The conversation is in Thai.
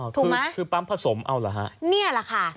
คือปั๊มผสมเอาหรอคะ